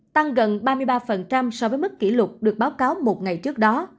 tăng gần ba mươi ba so với mức kỷ lục được báo cáo một ngày trước đó